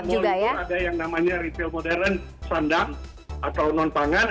jadi di dalam mall itu ada yang namanya retail modern standar atau non pangan